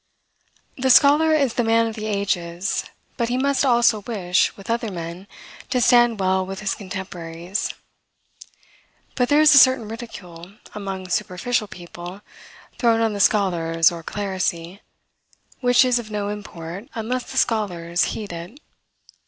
The scholar is the man of the ages, but he must also wish, with other men, to stand well with his contemporaries. But there is a certain ridicule, among superficial people, thrown on the scholars or clerisy, which is of no import, unless the scholars heed it.